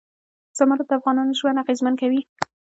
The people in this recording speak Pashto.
زمرد د افغانانو ژوند اغېزمن کوي.